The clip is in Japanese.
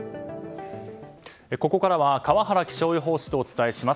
ここからは川原気象予報士とお伝えします。